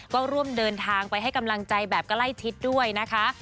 ก็ร่วมเดินทางไปให้กำลังใจแบบใกล้ชิดด้วยนะคะ